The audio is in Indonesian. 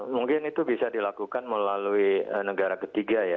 mungkin itu bisa dilakukan melalui negara ketiga ya